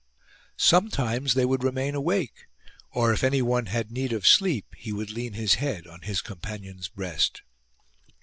Some times they would remain awake, or if anyone had need of sleep he would lean his head on his com panion's breast.